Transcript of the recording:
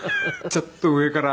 ちょっと上から。